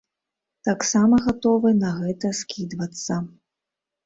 Таксама гатовы на гэта скідвацца.